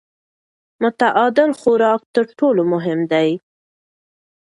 متعادل خوراک تر ټولو مهم دی.